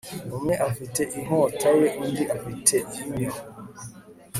Umwe afite inkota ye undi afite inyo